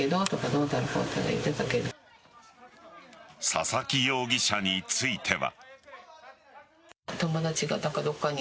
佐々木容疑者については。